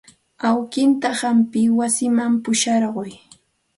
Awkiitan hampina wasiman pusharqaa.